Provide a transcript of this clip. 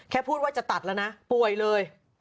พูดว่าจะตัดแล้วนะป่วยเลย